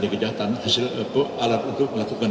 kejahatan hasil alat untuk melakukan